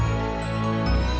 jangan lupa untuk mencoba